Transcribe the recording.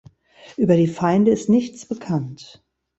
Über die Feinde ist nichts bekannt.